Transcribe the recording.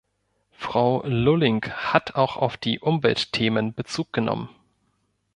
Frau Lulling hat auch auf die Umweltthemen Bezug genommen.